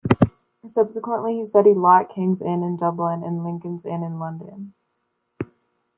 Subsequently he studied law at King's Inns in Dublin and Lincoln's Inn in London.